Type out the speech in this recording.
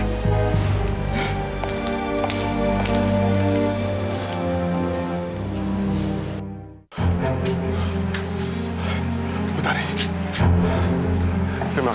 nggak saya mau belajar bareng mereka aja